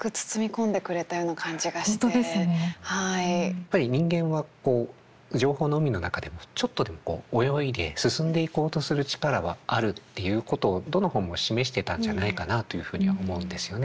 やっぱり人間は情報の海の中でもちょっとでもこう泳いで進んでいこうとする力はあるっていうことをどの本も示していたんじゃないかなあというふうには思うんですよね。